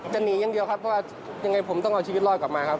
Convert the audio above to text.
หนีอย่างเดียวครับเพราะว่ายังไงผมต้องเอาชีวิตรอดกลับมาครับ